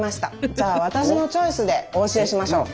じゃあ私のチョイスでお教えしましょう。